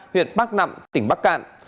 huyện bắc nẵm tỉnh bắc cạn